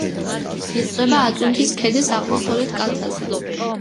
იწყება აწუნთის ქედის აღმოსავლეთ კალთაზე.